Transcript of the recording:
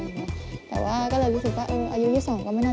เวลาไปข้างนอกนะแต่ถ้าอยู่๒คนก็เป็นไร